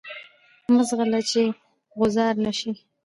مه ځغله چی غوځار نه شی.